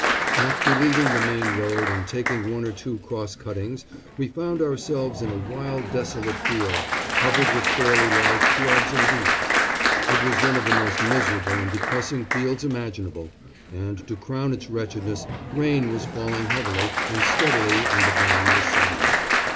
After leaving the main road and taking one or two cross cuttings we found ourselves in a wild, desolate field, covered with fairly large shrubs and weeds. It was one of the most miserable and depressing fields imaginable, and to crown its wretchedness rain was falling heavily and steadily and the ground was sodden.